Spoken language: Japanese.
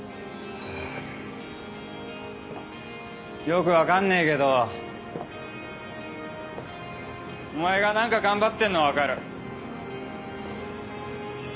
よく分かんねえけどお前が何か頑張ってんのは分かる。